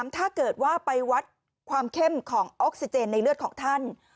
ถ้าเกิดว่าไปวัดความเข้มของออกซิเจนในเลือดของท่าน